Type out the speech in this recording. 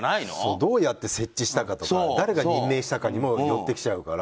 どうやって設置したかとか誰が任命したかにもよってきちゃうから。